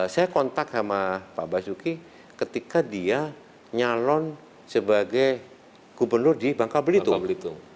saya kontak sama pak basuki ketika dia nyalon sebagai gubernur di bangka belitung